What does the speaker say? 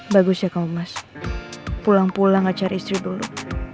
bagus ya kamu mas pulang pulang gak cari istri dulu